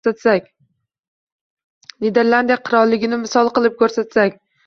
Niderlandiya qirolligini misol qilib ko‘rsatsak